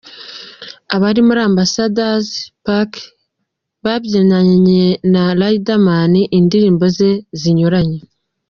Abari muri Ambassador's Park babyinanye na Riderman indirimbo ze zinyuranye.